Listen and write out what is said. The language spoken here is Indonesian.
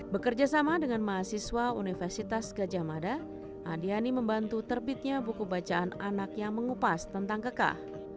bekerja sama dengan mahasiswa universitas gajah mada adiani membantu terbitnya buku bacaan anak yang mengupas tentang kekah